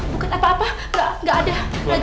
bukan apa apa nggak ada